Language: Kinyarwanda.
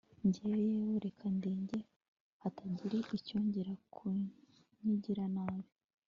Njye yewe reka ngende hatagira icyongera ku ngirira nabi